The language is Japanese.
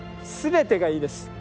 全てがいいです。